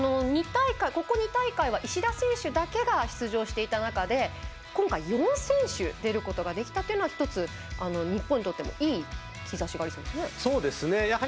ここ２大会は石田選手だけが出場していた中で、今回４選手が出ることができたのは１つ、日本にとってもいい兆しがありそうですね。